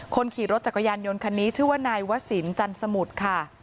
คนขี่รถจักรยานยนต์คันนี้ชื่อว่านายวสินจันสมุทรค่ะ